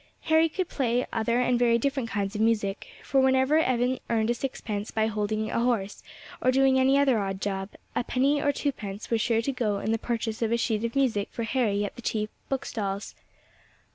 Harry could play other and very different kinds of music; for whenever Evan earned a sixpence by holding a horse, or doing any other odd job, a penny or twopence were sure to go in the purchase of a sheet of music for Harry at the cheap bookstalls.